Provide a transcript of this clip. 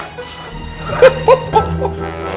fikri sudah tidur